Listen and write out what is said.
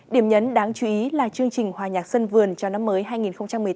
điểm nhấn đáng chú ý là chương trình hòa nhạc sân vườn cho năm mới hai nghìn một mươi chín